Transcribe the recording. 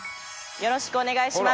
よろしくお願いします